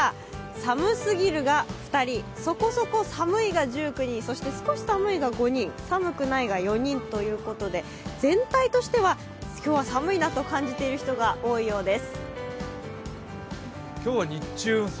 寒すぎるが２人、そこそこ寒いが１９人、そして少し寒いが５人、寒くないが４人ということで全体としては今日は寒いなと感じている人が多いようです。